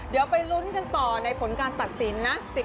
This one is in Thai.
เดี๋ยวไปลุ้นกันต่อในผลการตัดสินนะ